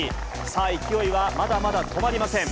さあ、勢いはまだまだ止まりません。